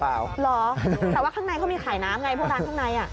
เหรอแต่ว่าข้างในเขามีขายน้ำไงพวกร้านข้างใน